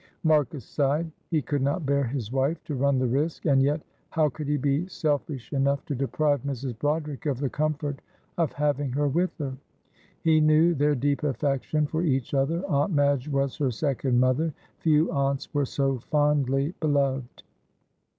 Marcus sighed; he could not bear his wife to run the risk, and yet how could he be selfish enough to deprive Mrs. Broderick of the comfort of having her with her? He knew their deep affection for each other. Aunt Madge was her second mother; few aunts were so fondly beloved.